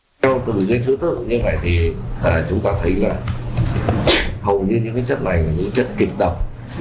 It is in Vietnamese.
theo từ cái thứ tự như vậy thì chúng ta thấy là hầu như những cái chất này là những chất kịch đậm